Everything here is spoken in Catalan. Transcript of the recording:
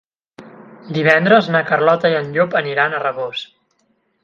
Divendres na Carlota i en Llop aniran a Rabós.